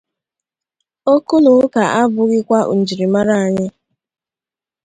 Okwu na ụka abụghịkwa njirimara ya